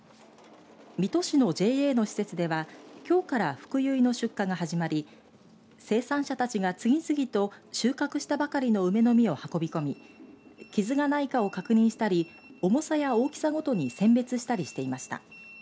水戸市のＪＡの施設ではきょうからふくゆいの出荷が始まり生産者たちが次々と収穫したばかりの梅の実を運び込み傷がないかを確認したり重さや大きさごとに選別したりしていました。